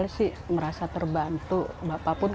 oss recharge bapak anjingan